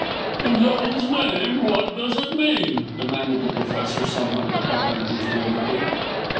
"In heaven's name, what does it mean?" demanded the Professor somewhat recovering his dignity.